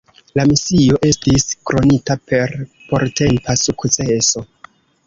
La misio estis kronita per portempa sukceso.